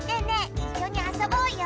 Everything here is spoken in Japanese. いっしょにあそぼうよ。